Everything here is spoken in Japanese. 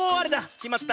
きまった。